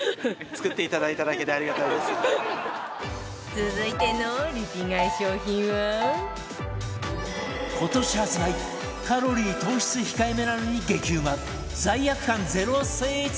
続いてのリピ買い商品は今年発売、カロリー、糖質控えめなのに激うま罪悪感ゼロスイーツ！